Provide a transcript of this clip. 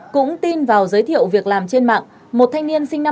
cũng tin vào giới thiệu việc làm trên mạng một thanh niên sinh năm hai nghìn năm